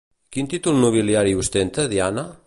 Quin títol nobiliari ostenta Diane?